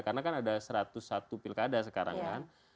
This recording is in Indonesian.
karena kan ada satu ratus satu pilkada sekarang kan